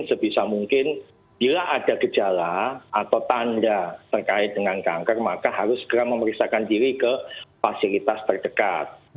sebisa mungkin bila ada gejala atau tanda terkait dengan kanker maka harus segera memeriksakan diri ke fasilitas terdekat